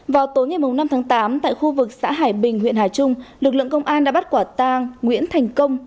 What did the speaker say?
vào tối ngày năm tháng tám tại khu vực xã hải bình huyện hà trung lực lượng công an đã bắt quả tang nguyễn thành công